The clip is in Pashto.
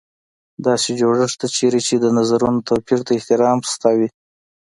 داسې جوړښت ته چېرې چې د نظرونو توپیر ته احترام شته وي.